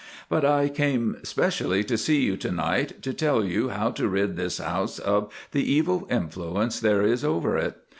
But I came specially to see you to night to tell you how to rid this house of the evil influence there is over it.